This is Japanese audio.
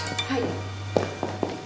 はい。